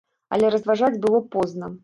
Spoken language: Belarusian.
Але разважаць было позна.